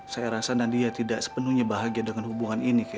saya rasa nadia tidak sepenuhnya bahagia dengan hubungan ini